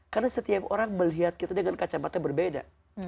karena setiap orang melihat kita dengan kacamata berbeda